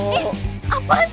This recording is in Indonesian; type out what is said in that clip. eh apaan sih